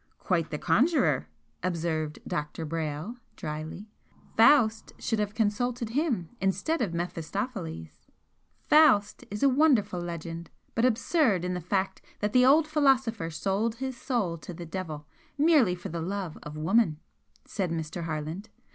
"Quite the conjurer!" observed Dr. Brayle, drily "Faust should have consulted him instead of Mephistopheles!" "'Faust' is a wonderful legend, but absurd in the fact that the old philosopher sold his soul to the Devil, merely for the love of woman," said Mr. Harland.